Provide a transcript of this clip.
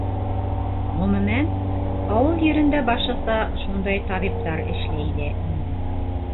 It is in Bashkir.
Ғөмүмән, ауыл ерендә башлыса шундай табиптар эшләй ҙә инде.